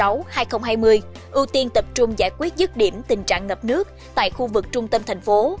ưu tiên tập trung giải quyết dứt điểm tình trạng ngập nước tại khu vực trung tâm thành phố